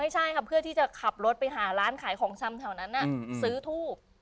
ใช่ค่ะเพื่อที่จะขับรถไปหาร้านขายของชำแถวนั้นซื้อทูบ